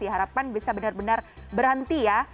diharapkan bisa benar benar berhenti ya